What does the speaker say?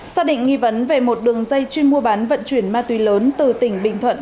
xác định nghi vấn về một đường dây chuyên mua bán vận chuyển ma túy lớn từ tỉnh bình thuận